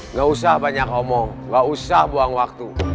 nggak usah banyak omong nggak usah buang waktu